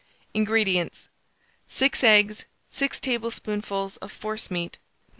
INGREDIENTS. 6 eggs, 6 tablespoonfuls of forcemeat No.